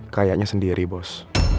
kayaknya sendiri bos